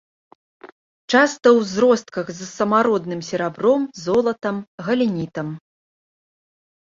Часта ў зростках з самародным серабром, золатам, галенітам.